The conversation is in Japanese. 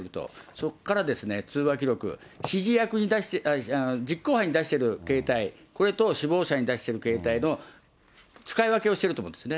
そこから通話記録、指示役に対して、実行犯に出している携帯、これと首謀者に出してる携帯の使い分けをしてると思うんですね。